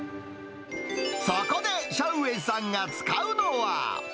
そこで、シャウ・ウェイさんが使うのは。